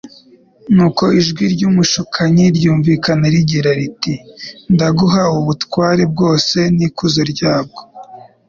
Nuko ijwi ry’umushukanyi ryumvikana rigira riti: “Ndaguha ubu butware bwose n’ikuzo ryabwo,